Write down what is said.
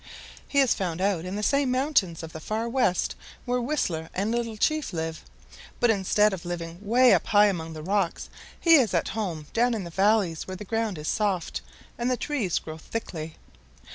"He is found out in the same mountains of the Far West where Whistler and Little Chief live, but instead of living way up high among the rocks he is at home down in the valleys where the ground is soft and the trees grow thickly.